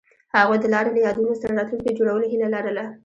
هغوی د لاره له یادونو سره راتلونکی جوړولو هیله لرله.